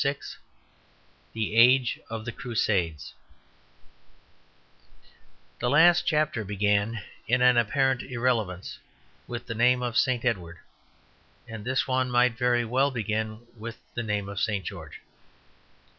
VI THE AGE OF THE CRUSADES The last chapter began, in an apparent irrelevance, with the name of St. Edward; and this one might very well begin with the name of St. George.